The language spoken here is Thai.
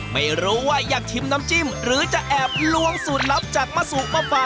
ไม่รู้ว่าอยากชิมน้ำจิ้มหรือจะแอบลวงสูตรลับจากมะสุมาฝาก